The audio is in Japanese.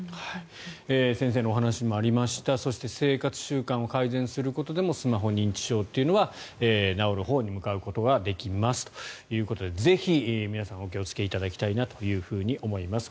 先生のお話にもありましたそして生活習慣を改善することでもスマホ認知症は治るほうに向かうことができますということでぜひ皆さんお気をつけいただきたいと思います。